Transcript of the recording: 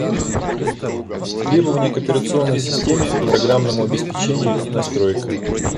Требования к операционной системе, программному обеспечению и настройкам